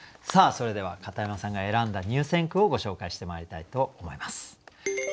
さあそれでは片山さんが選んだ入選句をご紹介してまいりたいと思います。